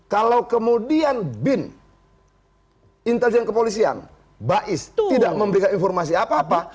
kalau kemudian bin intelijen kepolisian bais tidak memberikan informasi apa apa